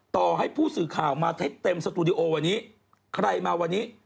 ต่อให้ผู้สื่อข่าวมาเท็จเต็มสตูดิโอวันนี้ใครมาวันนี้